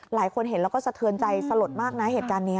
หลายคนเห็นแล้วก็สะเทือนใจสลดมากนะเหตุการณ์นี้